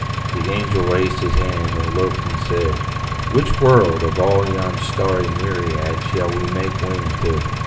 The angel raised his hand and looked and said, "Which world, of all yon starry myriad Shall we make wing to?"